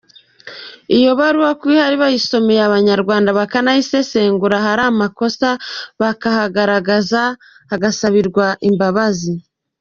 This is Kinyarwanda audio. Iyo baruwa ko ihari bayisomeye abanyarwanda bakanayisesengura, ahari amakosa hakagaragara, hagasabirwa imbabazi.